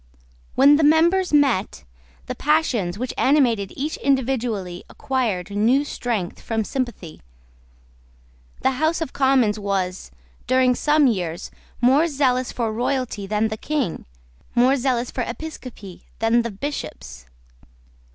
When the members met, the passions which animated each individually acquired new strength from sympathy. The House of Commons was, during some years, more zealous for royalty than the King, more zealous for episcopacy than the Bishops.